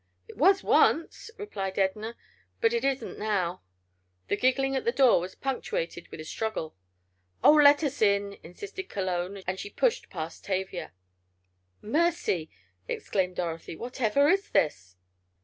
"It was once," replied Edna, "but it isn't now." The giggling at the door was punctuated with a struggle. "Oh, let us in!" insisted Cologne, and pushed past Tavia. "Mercy!" exclaimed Dorothy. "Whatever is this?"